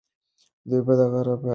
دوی به د غرب عقیده ماته کړي.